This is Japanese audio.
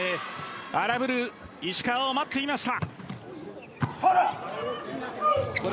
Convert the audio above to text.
荒ぶる石川を待っていました。